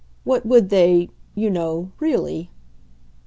what would they, you know, really?"